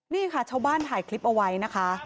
นี่ค่ะชาวบ้านถ่ายคลิปเอาไว้นะคะ